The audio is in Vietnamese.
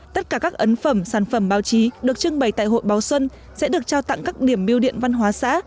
tất cả các ấn phẩm sản phẩm báo chí được trưng bày tại hội báo xuân sẽ được trao tặng các điểm biêu điện văn hóa xã